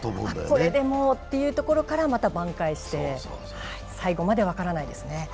これでもうっていうところから、また挽回して、最後まで分からないですね。